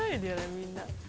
みんな。